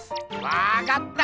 わかった！